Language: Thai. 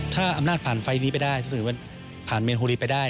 ถ้าอำนาจผ่านไฟล์นี้ไปได้สื่อผ่านเมียนโฮลีไปได้